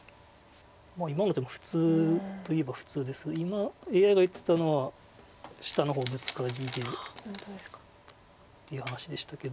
今の手も普通といえば普通ですが今ＡＩが言ってたのは下の方ブツカリでっていう話でしたけど。